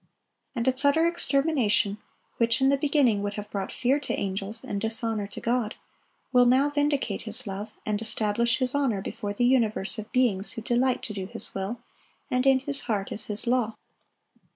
And its utter extermination, which in the beginning would have brought fear to angels and dishonor to God, will now vindicate His love and establish His honor before the universe of beings who delight to do His will, and in whose heart is His law.